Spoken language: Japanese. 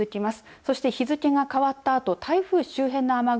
そして、日付が変わったあと台風周辺の雨雲